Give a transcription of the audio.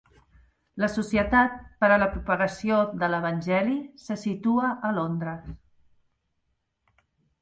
La Societat per a la Propagació de l'Evangeli se situa a Londres.